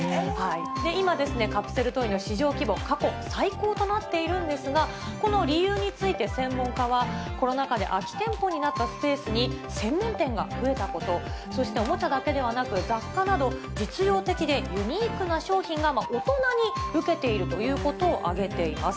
今、カプセルトイの市場規模、過去最高となっているんですが、この理由について、専門家は、コロナ禍で空き店舗になったスペースに、専門店が増えたこと、そして、おもちゃだけでなく、雑貨など、実用的でユニークな商品が大人に受けているということを挙げています。